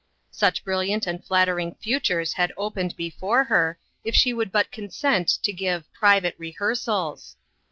Such brilliant and flattering futures had opened before her, if she would but consent to give " private rehearsals."